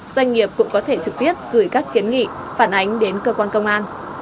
doanh nghiệp cũng có thể trực tiếp gửi các kiến nghị phản ánh đến cơ quan công an